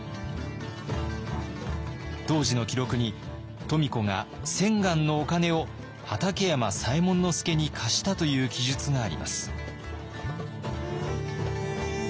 当時の記録に「富子が千貫のお金を畠山左衛門佐に貸した」という記述があります。